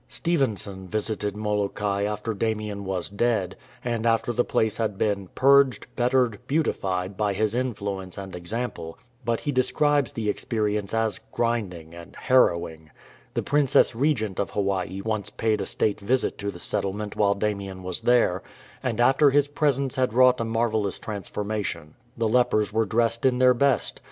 Stevenson visited Molokai after Damien was dead, and after the place had been "purged, bettered, beautified" by his influence and example ; but he describes the experience as " grinding " and " haiTowing." The Princess Regent of Hawaii once paid a State visit to the settlement while Damien was there, and after his presence had wrought a marvellous transformation. The lepers were dressed in their best.